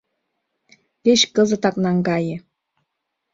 Кеч кызытак наҥгае.